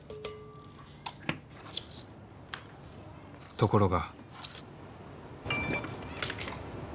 ところが。